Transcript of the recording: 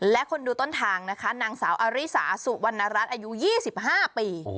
และคนดูต้นทางนะคะนางสาวอาริสาสุวรรณรัฐอายุ๒๕ปี